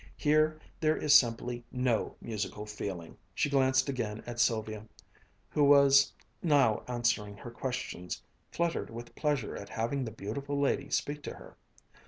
Here, there is simply no musical feeling!" She glanced again at Sylvia, who was now answering her questions, fluttered with pleasure at having the beautiful lady speak to her.